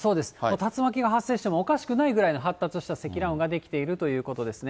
竜巻が発生してもおかしくないぐらいの発達した積乱雲が出来ているということですね。